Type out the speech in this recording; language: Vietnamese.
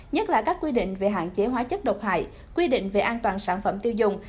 nhất là các quy định về hạn chế hóa chất độc hại quy định về an toàn sản phẩm tiêu dùng